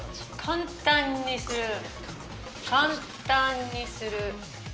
簡単にする簡単にする。